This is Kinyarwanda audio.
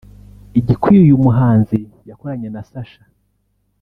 Igikwiye uyu muhanzi yakoranye na Sacha